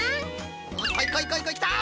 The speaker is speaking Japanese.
こいこいこいこいきた！